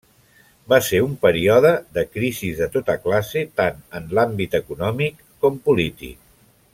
Va ser un període de crisis de tota classe, tant en l'àmbit econòmic, com polític.